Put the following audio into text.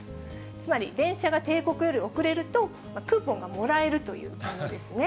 つまり電車が定刻より遅れると、クーポンがもらえるというものですね。